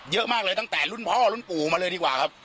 เยอะมากเลยตั้งแต่รุ่นพ่อรุ่นปู่มาเลยดีกว่าครับ